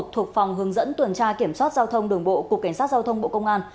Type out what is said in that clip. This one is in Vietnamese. thuộc phòng hướng dẫn tuần tra kiểm soát giao thông đường bộ cục cảnh sát giao thông bộ công an